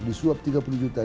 disuap tiga puluh juta